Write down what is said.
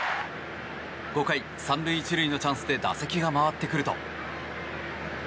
５回、３塁１塁のチャンスで打席が回ってくると。